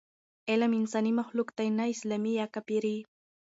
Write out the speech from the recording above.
علم انساني مخلوق دی، نه اسلامي یا کافري.